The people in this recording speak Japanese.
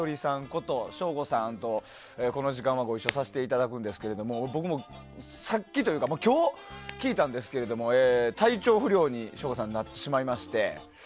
こと省吾さんと、この時間はご一緒させていただくんですけど僕もさっきというか今日聞いたんですけども体調不良に省吾さん、なってしまいまして。